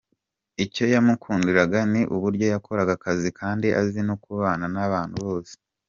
Icyo yamukundiraga ni uburyo yakoraga akazi kandi azi no kubana n’abantu bose.